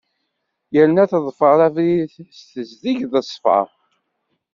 Yerna teḍfer abrid-a s tezdeg d ssfa.